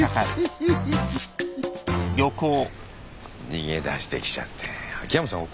逃げ出してきちゃって秋山さん怒るよ？